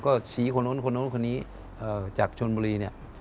ก็ชี้คนนั้นคนนั้นคนนี้จากชมรี